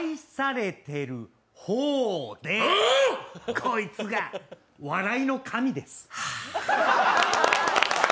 こいつが、笑いの神です。は。